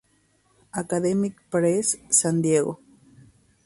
Academic Press, San Diego.